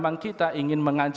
aku ingin bernyanyi